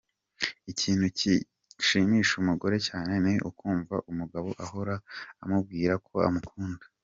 Ikintu gishimisha umugore cyane ni ukumva umugabo ahora amubwira ko amukunda.